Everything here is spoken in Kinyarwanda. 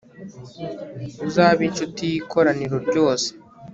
uzabe incuti y'ikoraniro ryose